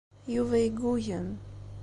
Yuba yeggugem.